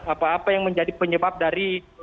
apa apa yang menjadi penyebab dari